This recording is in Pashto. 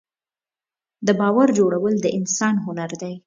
د باور جوړول د انسان هنر دی.